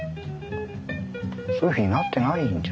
そういうふうになってないんじゃないでしょうか